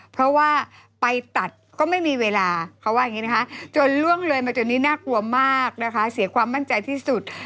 เพราะว่าไปตัดก็ไม่มีเวลาเขาว่าอย่างนี้